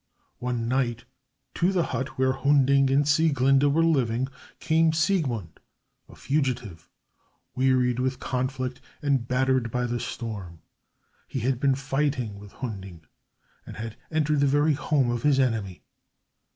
One night to the hut where Hunding and Sieglinde were living came Siegmund, a fugitive, wearied with conflict, and battered by the storm. He had been fighting with Hunding, and had entered the very home of his enemy.